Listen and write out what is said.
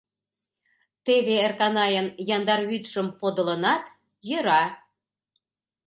Теве Эрканайын яндар вӱдшым подылынат, йӧра.